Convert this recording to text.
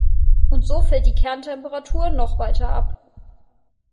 Und so fällt die Kerntemperatur noch weiter ab.